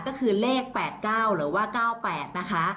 ก็คือเลข๘๙หรือว่า๙๘นะคะ